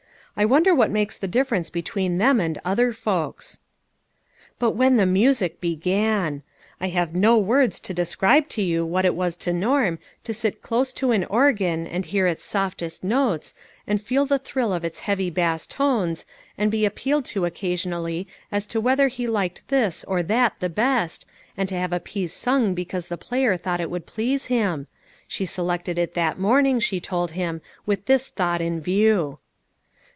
I wonder what makes the difference between them and other folks?" But when the music began ! I have no words to describe to you what it was to Norm to sit close to an organ and hear its softest notes, and feel the thrill of its heavy bass tones, and be ap pealed to occasionally as to whether he liked this or that the best, and to have a piece sung because the player thought it would please him ; she selected it that morning, she told him, with this thought in view.